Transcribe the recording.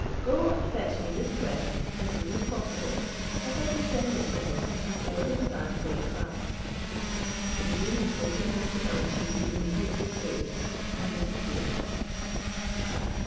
Go, and fetch me this present as soon as possible, that I may send it to him before the divan breaks up." The genie told him his command should be immediately obeyed, and disappeared.